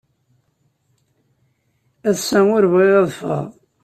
Ass-a ur bɣiɣ ad ffɣeɣ.